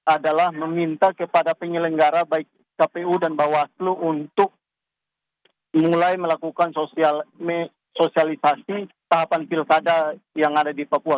adalah meminta kepada penyelenggara baik kpu dan bawaslu untuk mulai melakukan sosialisasi tahapan pilkada yang ada di papua